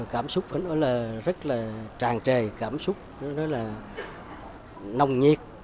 cảm xúc phải nói là rất là tràn trề cảm xúc nói là nồng nhiệt